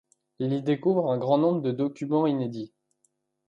Il y découvre un grand nombre de documents inédits.